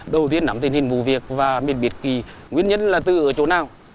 đầu tiên nắm tình hình vụ việc và mình biết nguyên nhân là từ ở chỗ nào